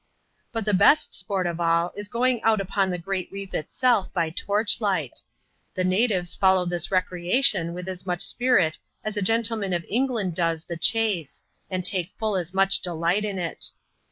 But the best sport of all, is going out upon the great reef itself, by torch light. The natives follow this recreation with as much spirit as a gentleman of England does the chase ; and take full as much delight in it.